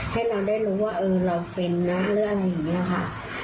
ให้เราได้รู้ว่าเออเราเป็นนะหรืออะไรอย่างนี้ค่ะ